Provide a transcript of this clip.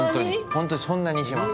ほんとにそんなにします。